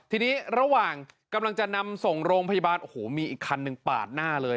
ทีนี้ระหว่างกำลังจะนำส่งโรงพยาบาลโอ้โหมีอีกคันหนึ่งปาดหน้าเลย